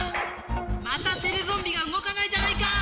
またテレゾンビがうごかないじゃないか！